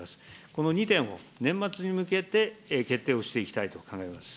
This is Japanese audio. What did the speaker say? この２点を年末に向けて決定をしていきたいと考えます。